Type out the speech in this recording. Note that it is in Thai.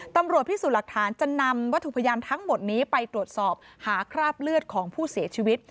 ตำรวจพิสูจน์หลักฐานจะนำวัตถุพยานทั้งหมดนี้ไปตรวจสอบหาคราบเลือดของผู้เสียชีวิต